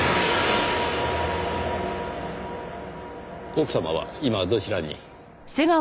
奥様は今どちらに？